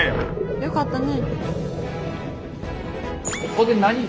よかったね。